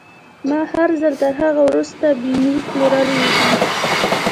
ما هر ځل تر هغه وروسته بيمې پلورلې دي.